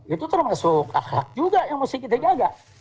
itu termasuk hak hak juga yang mesti kita jaga